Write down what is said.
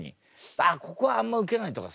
「ああここはあんまウケない」とかさ。